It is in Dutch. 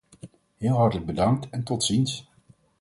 Heel hartelijk bedankt en tot ziens.